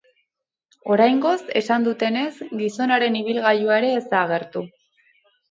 Oraingoz, esan dutenez, gizonaren ibilgailua ere ez da agertu.